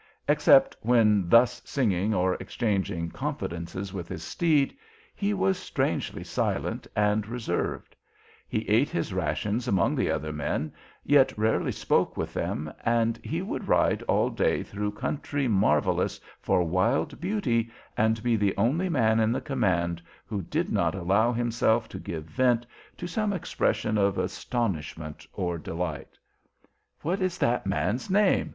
Except when thus singing or exchanging confidences with his steed, he was strangely silent and reserved; he ate his rations among the other men, yet rarely spoke with them, and he would ride all day through country marvellous for wild beauty and be the only man in the command who did not allow himself to give vent to some expression of astonishment or delight. "What is that man's name?"